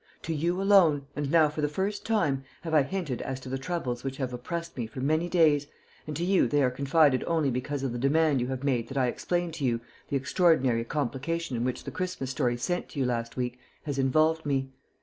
To you alone, and now for the first time, have I hinted as to the troubles which have oppressed me for many days, and to you they are confided only because of the demand you have made that I explain to you the extraordinary complication in which the Christmas story sent you last week has involved me.